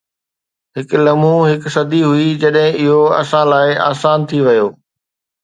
هڪ لمحو هڪ صدي هئي جڏهن اهو اسان لاء آسان ٿي ويو